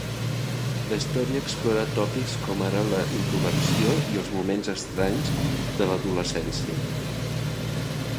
La història explora tòpics com ara la introversió i els moments estranys de l'adolescència.